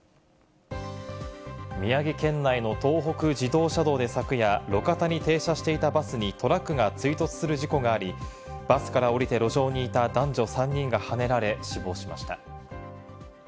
宮城県内の東北自動車道で昨夜、路肩に停車していたバスにトラックが追突する事故があり、バスから降りて路上にいた男女３人がはねられ、死亡しました。